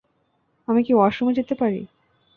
আমি কি ওয়াশরুমে যেতে পারি?